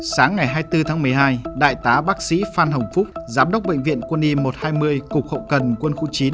sáng ngày hai mươi bốn tháng một mươi hai đại tá bác sĩ phan hồng phúc giám đốc bệnh viện quân y một trăm hai mươi cục hậu cần quân khu chín